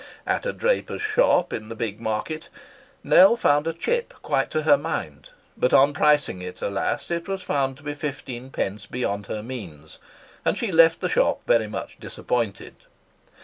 At a draper's shop in the Bigg Market, Nell found a "chip" quite to her mind, but on pricing it, alas! it was found to be fifteen pence beyond her means, and she left the shop very much disappointed.